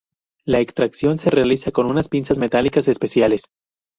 La extracción se realiza con unas pinzas metálicas especiales.